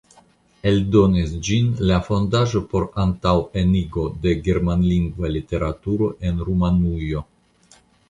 Eldonis ĝin la Fondaĵo por antaŭenigo de germanlingva literaturo en Rumanujo".